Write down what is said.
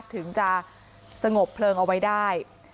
ถึงจะสงบเพลิงเอาไว้ได้